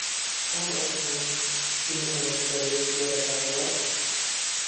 کام ئۆقیانوس چین و ئەمریکا لەیەک جیا دەکاتەوە؟